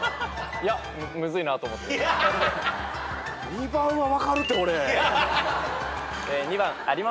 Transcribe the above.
２番は分かるって俺。